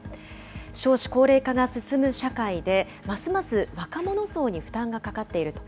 少子高齢化が進む社会で、ますます若者層に負担がかかっていると。